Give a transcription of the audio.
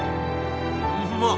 うまっ！